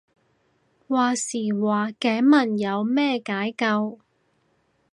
話時話頸紋有咩解救